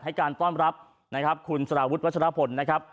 ให้การต้อนรับคุณสลาวุฒิวัชฎพลนะครับ